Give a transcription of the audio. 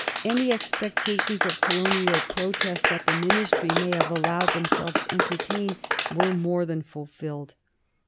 Any expectations of colonial protest that the Ministry may have allowed themselves to entertain were more than fulfilled.